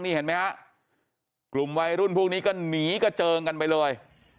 นี่เห็นไหมฮะกลุ่มวัยรุ่นพวกนี้ก็หนีกระเจิงกันไปเลย